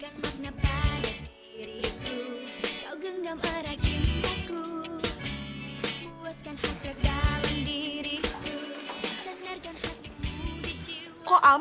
dan dengarkan hatimu di cintamu